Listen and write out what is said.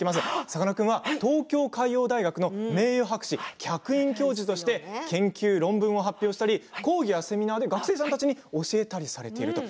さかなクンは東京海洋大学の名誉博士、客員教授として研究や論文も発表したり講義やセミナーで学生さんたちに教えたりされていると。